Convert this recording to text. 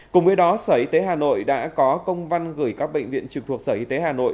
cùng với đó sở y tế hà nội đã có công văn gửi các bệnh viện trực thuộc sở y tế hà nội